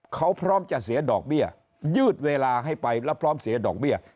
เขาพร้อมจะเสียดอกเบี้ยยืดเวลาให้ไปแล้วพร้อมเสียดอกเบี้ย